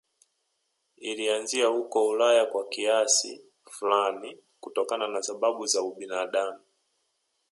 Ilianzia huko Ulaya kwa kiasi fulani kutokana na sababu za ubinadamu